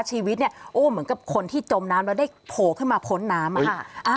ชีวิตเนี่ยโอ้เหมือนกับคนที่จมน้ำแล้วได้โผล่ขึ้นมาพ้นน้ำอ่ะ